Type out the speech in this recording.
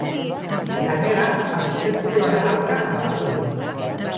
Gainera, abstentzioaren aurka azaldu da.